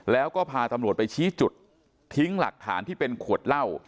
แล้วก็พาตำรวจไปชี้จุดทิ้งหลักฐานที่เป็นขวดเหล้า